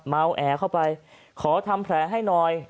แอเข้าไปขอทำแผลให้หน่อย